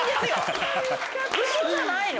ウソじゃないの。